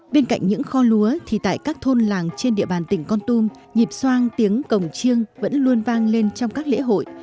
bên cạnh những kho lúa thì tại các thôn làng trên địa bàn tỉnh con tum nhịp soan tiếng cổng chiêng vẫn luôn vang lên trong các lễ hội